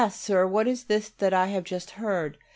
Sir, what is this that I have just heard?